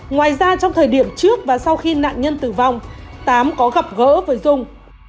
ngoài ra trong thời điểm trước và sau khi nạn nhân tử vong tám có gặp gỡ với dung